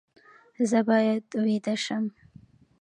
زه باید ویده شم